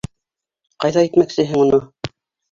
Ҡайҙа итмәксеһең уны?